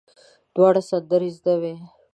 دواړو سندرې زده وې.